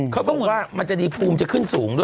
เขาบอกว่ามันจะดีภูมิจะขึ้นสูงด้วย